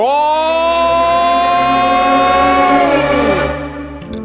โปรดติดตามตอนต่อไป